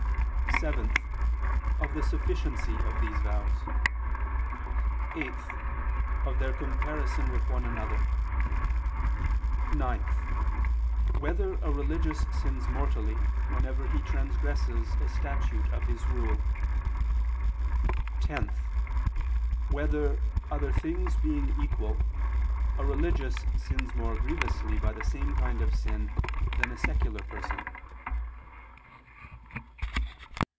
(7) Of the sufficiency of these vows; (8) Of their comparison one with another; (9) Whether a religious sins mortally whenever he transgresses a statute of his rule? (10) Whether, other things being equal, a religious sins more grievously by the same kind of sin than a secular person?